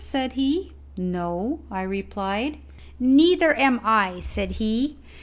said he. "No," I replied. "Neither am I," said he.